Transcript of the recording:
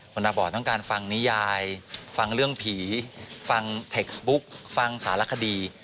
คุณตาบอดต้องการฟังนิยายฟังเรื่องผีฟังเทคสบุ๊กฟังสารคดี